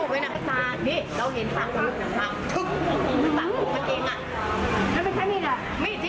ปากอกมันเลยมันยืนสิ